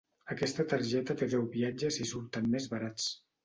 Aquesta targeta té deu viatges i surten més barats.